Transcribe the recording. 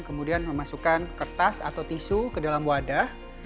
kemudian memasukkan kertas atau tisu ke dalam wadah